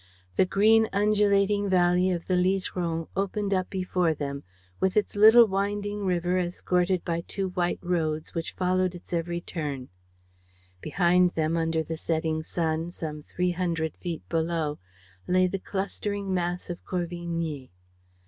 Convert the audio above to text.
The green, undulating valley of the Liseron opened up before them, with its little winding river escorted by two white roads which followed its every turn. Behind them, under the setting sun, some three hundred feet below, lay the clustering mass of Corvigny.